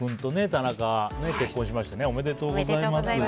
横尾君と田中、結婚しましておめでとうございます。